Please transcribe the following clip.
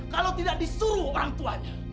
kalau tidak disuruh orang tuanya